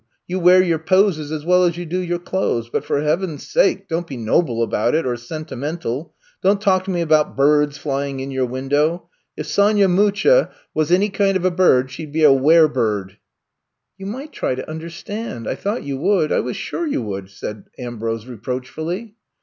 You wear your poses as well as you do your clothes, but for heaven's sake don't be noble about it, or sentimental. Don't talk to me about birds flying in your window. If Sonya Mucha 62 I'VE COME TO STAY was any kind of a bird she 'd be a wer bird!" You might try to understand — ^I thought you would. I was sure you would," said Ambrose reproachfully.